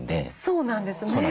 そうなんです。